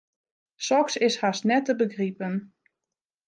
Soks is hast net te begripen.